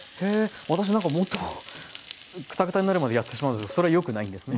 私なんかもっとクタクタになるまでやってしまうんですがそれはよくないんですね。